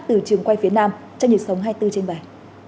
từ trường quay phía nam trong dịch sống hai mươi bốn trên bài